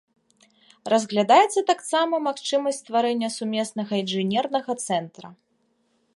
Разглядаецца таксама магчымасць стварэння сумеснага інжынернага цэнтра.